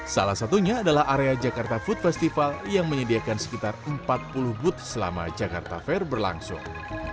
salah satunya adalah area jakarta food festival yang menyediakan sekitar empat puluh booth selama jakarta fair berlangsung